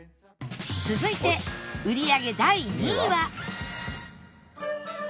続いて売り上げ第２位は